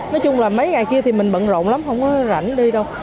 nói chung là mấy ngày kia thì mình bận rộn lắm không có rảnh đi đâu